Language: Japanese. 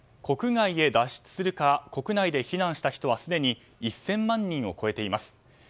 国外へ脱出するか国外へ避難した人はすでに１０００万人を超えています。